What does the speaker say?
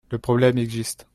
Le problème existe.